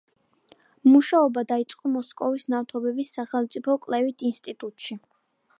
მუშაობა დაიწყო მოსკოვის ნავთობის სახელმწიფო კვლევით ინსტიტუტში.